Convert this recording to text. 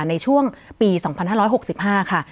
ในช่วงปี๒๕๖๕ค่ะ